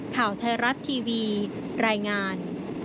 ข่าวไทยรัฐทีวีรายงาน